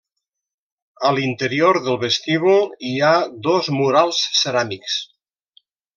A l'interior del vestíbul hi ha dos murals ceràmics.